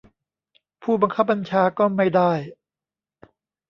ผู้บังคับบัญชาก็ไม่ได้